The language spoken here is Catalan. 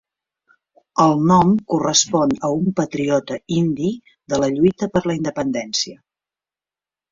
El nom correspon a un patriota indi de la lluita per la independència.